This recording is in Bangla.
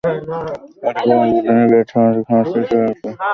এটা খুব অল্প দিনেই বিরাট সামাজিক সমস্যা হিসেবে আসবে।